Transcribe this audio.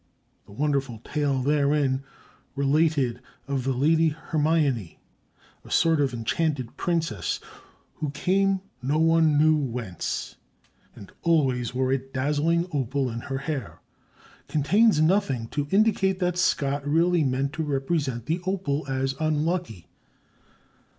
The wonderful tale therein related of the Lady Hermione, a sort of enchanted princess, who came no one knew whence and always wore a dazzling opal in her hair, contains nothing to indicate that Scott really meant to represent the opal as unlucky.